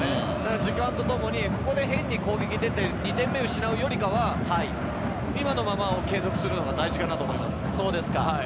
時間とともに変に攻撃に出て、２点目を失うよりかは、今を継続するのが大事だと思います。